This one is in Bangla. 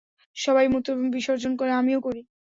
সবাই মুত্র বিসর্জন করে, আমিও করি।